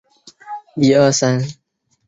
李凯茵就读佛教黄允畋中学。